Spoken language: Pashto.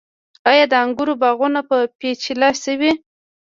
آیا د انګورو باغونه په چیله شوي؟